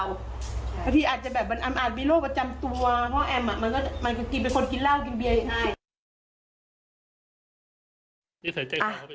อาจจะมีโรคประจำตัวเพราะแอมเป็นคนกินเหล้ากินเบียงไอ